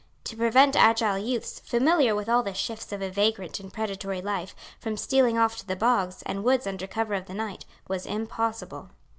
To prevent agile youths, familiar with all the shifts of a vagrant and predatory life, from stealing off to the bogs, and woods under cover of the night, was impossible.